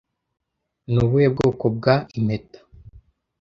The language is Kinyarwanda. Ni ubuhe bwoko bwa Impeta